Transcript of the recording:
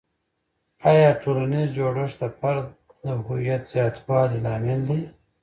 آیا ټولنیز جوړښت د فرد د هویت زیاتوالي لامل دی؟